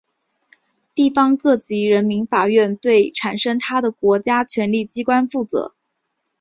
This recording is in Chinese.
地方各级人民法院对产生它的国家权力机关负责。